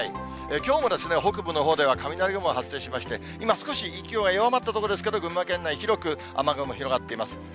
きょうも北部のほうでは雷雲が発生しまして、今、少し勢いが弱まったところですけれども、群馬県内、広く雨雲広がっています。